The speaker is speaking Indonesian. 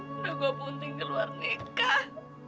udah gue pun tinggal luar nikah